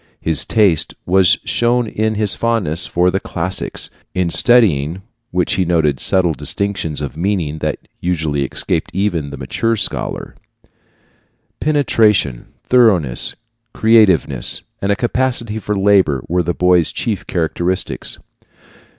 His taste was shown in his fondness for the classics, in studying which he noted subtle distinctions of meaning that usually escape even the mature scholar. Penetration, thoroughness, creativeness, and a capacity for labor were the boy's chief characteristics.